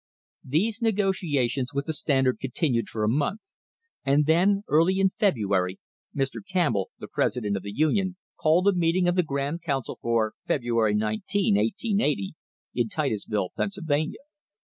These negotiations with the Standard continued for a month, and then, early in February, Mr. Campbell, the presi dent of the Union, called a meeting of the Grand Council for February 19, 1880, in Titusville, Pennsylvania.